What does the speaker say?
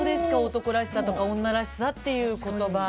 「男らしさ」とか「女らしさ」っていう言葉。